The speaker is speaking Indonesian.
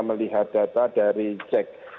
melihat data dari cek